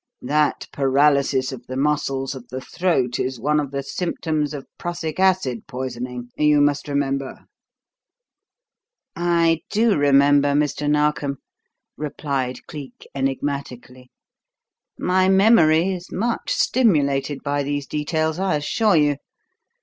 That paralysis of the muscles of the throat is one of the symptoms of prussic acid poisoning, you must remember." "I do remember, Mr. Narkom," replied Cleek enigmatically. "My memory is much stimulated by these details, I assure you.